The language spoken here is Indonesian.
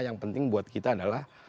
yang penting buat kita adalah